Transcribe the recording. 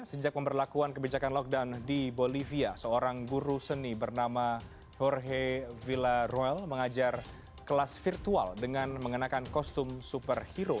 sejak pemberlakuan kebijakan lockdown di bolivia seorang guru seni bernama jorhe villa roll mengajar kelas virtual dengan mengenakan kostum superhero